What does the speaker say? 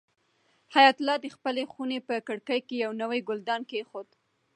حیات الله د خپلې خونې په کړکۍ کې یو نوی ګلدان کېښود.